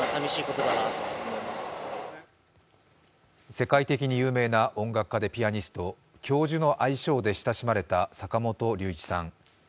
世界的に有名な音楽家でピアニスト、教授の愛称で親しまれた坂本龍一さん。